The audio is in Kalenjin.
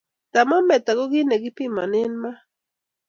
tamometa ko kiit ne kipimonen maat